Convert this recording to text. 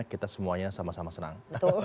kita semuanya sama sama senang